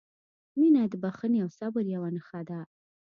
• مینه د بښنې او صبر یوه نښه ده.